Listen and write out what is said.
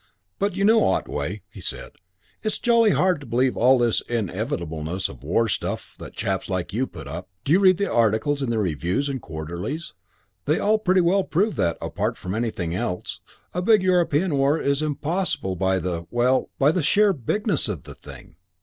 "But you know, Otway," he said, "it's jolly hard to believe all this inevitableness of war stuff that chaps like you put up. Do you read the articles in the reviews and the quarterlies? They all pretty well prove that, apart from anything else, a big European war is impossible by the well, by the sheer bigness of the thing.